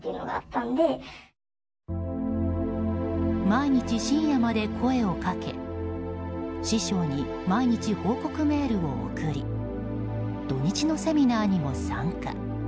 毎日深夜まで声をかけ師匠に毎日報告メールを送り土日のセミナーにも参加。